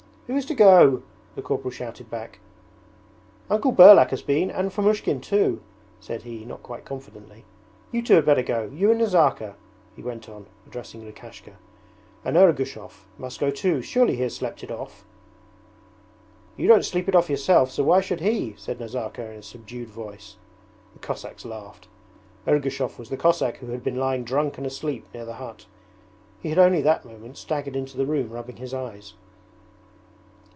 'Who is to go?' the corporal shouted back. 'Uncle Burlak has been and Fomushkin too,' said he, not quite confidently. 'You two had better go, you and Nazarka,' he went on, addressing Lukashka. 'And Ergushov must go too; surely he has slept it off?' 'You don't sleep it off yourself so why should he?' said Nazarka in a subdued voice. The Cossacks laughed. Ergushov was the Cossack who had been lying drunk and asleep near the hut. He had only that moment staggered into the room rubbing his eyes.